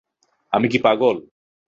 আমি কি পাগল?